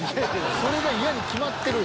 それが。